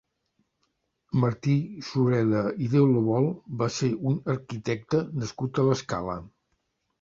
Martí Sureda i Deulovol va ser un arquitecte nascut a l'Escala.